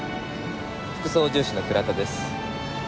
副操縦士の倉田です。